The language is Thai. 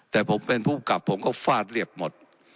แต่ผมเป็นผู้กลับผมก็ฟาดเรียบหมด